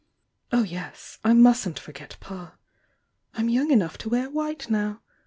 Oh, yes, I mustn't forget Pa ! I'm young enough to wear white now !